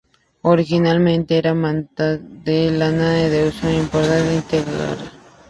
Originalmente eran mantas de lana al uso importadas de Inglaterra.